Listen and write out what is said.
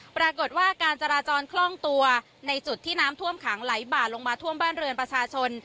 ปรากฏว่าการจราจรคล่องตัวในจุดที่น้ำท่วมขังไหลบ่าลงมาท่วมบ้านเรือนประชาชน